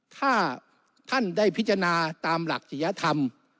ถ้าท่านได้พิจารณาตามหลักศิริยธรรม